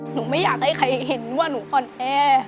ไม่อยากให้ใครเห็นว่าหนูอ่อนแอ